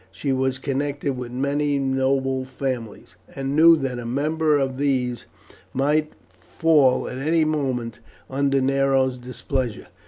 She was connected with many noble families, and knew that a member of these might fall at any moment under Nero's displeasure.